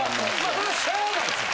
それはしゃあないですよ。